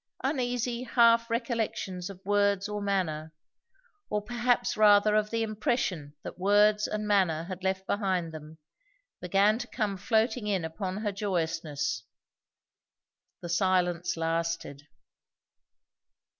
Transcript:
Uneasy half recollections of words or manner, or perhaps rather of the impression that words and manner had left behind them, began to come floating in upon her joyousness. The silence lasted.